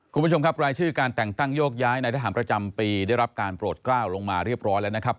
คุณผู้ชมครับรายชื่อการแต่งตั้งโยกย้ายในทหารประจำปีได้รับการโปรดกล้าวลงมาเรียบร้อยแล้วนะครับ